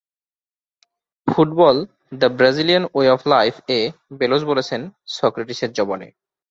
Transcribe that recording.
Football the Brazilian way of life এ Bellos বলছেন সক্রেটিসের জবানে।